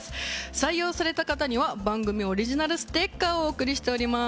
採用された方には番組オリジナルステッカーをお送りしております